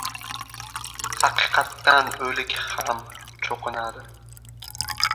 • Haqiqatdan o‘lik ham cho‘qinadi.